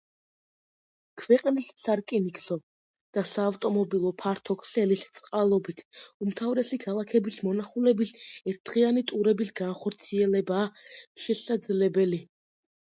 ქვეყნის სარკინიგზო და საავტომობილო ფართო ქსელის წყალობით უმთავრესი ქალაქების მონახულების ერთდღიანი ტურების განხორციელებაა შესაძლებელი.